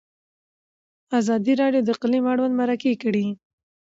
ازادي راډیو د اقلیم اړوند مرکې کړي.